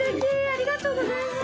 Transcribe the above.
ありがとうございます。